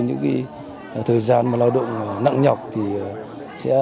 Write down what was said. những cái thời gian mà lao động nặng nhọc thì sẽ được thư giãn